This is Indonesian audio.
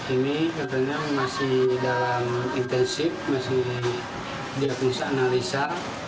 ini sebenarnya masih dalam intensif masih dilakukan analisa